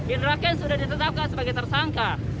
inraken sudah ditetapkan sebagai tersangka